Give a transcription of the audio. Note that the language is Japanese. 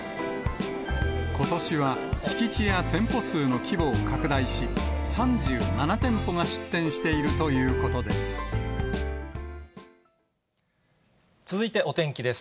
ことしは敷地や店舗数の規模を拡大し、３７店舗が出店してい続いてお天気です。